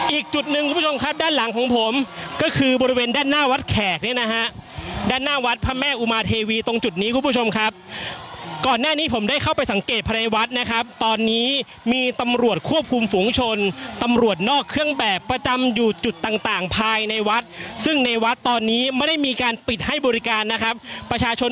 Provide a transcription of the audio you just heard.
อีกจุดหนึ่งคุณผู้ชมครับด้านหลังของผมก็คือบริเวณด้านหน้าวัดแขกเนี่ยนะฮะด้านหน้าวัดพระแม่อุมาเทวีตรงจุดนี้คุณผู้ชมครับก่อนหน้านี้ผมได้เข้าไปสังเกตภายในวัดนะครับตอนนี้มีตำรวจควบคุมฝูงชนตำรวจนอกเครื่องแบบประจำอยู่จุดต่างต่างภายในวัดซึ่งในวัดตอนนี้ไม่ได้มีการปิดให้บริการนะครับประชาชน